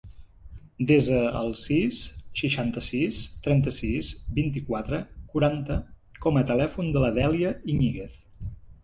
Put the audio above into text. Desa el sis, seixanta-sis, trenta-sis, vint-i-quatre, quaranta com a telèfon de la Dèlia Iñiguez.